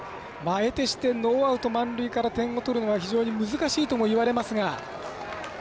えてしてノーアウト満塁から点を取るのは非常に難しいとも言われますが。